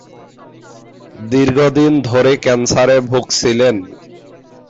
দীর্ঘ দিন ধরে ক্যান্সারে ভুগছিলেন।